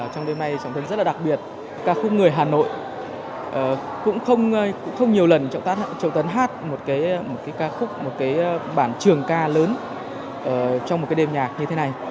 trong đêm nay trọng tấn rất là đặc biệt ca khúc người hà nội cũng không nhiều lần trọng tấn hát một cái ca khúc một cái bản trường ca lớn trong một cái đêm nhạc như thế này